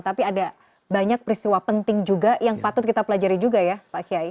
tapi ada banyak peristiwa penting juga yang patut kita pelajari juga ya pak kiai